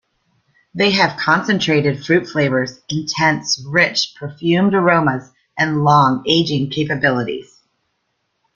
They have concentrated fruit flavors, intense, rich, perfumed aromas, and long aging capabilities.